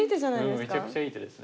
めちゃくちゃいい手ですね。